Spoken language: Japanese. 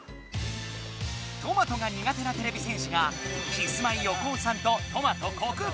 トマトが苦手なてれび戦士がキスマイ横尾さんとトマト克服